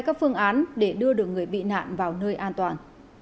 các phương án để đưa được người bị nạn vào nơi an toàn